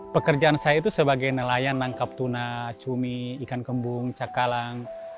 pekerjaan saya itu sebagai nelayan nangkap tuna cumi ikan kembung cakalang